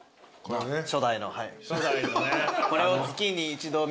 初代のね。